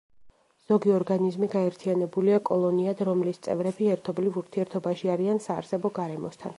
ზოგი ორგანიზმი გაერთიანებულია კოლონიად, რომლის წევრები ერთობლივ ურთიერთობაში არიან საარსებო გარემოსთან.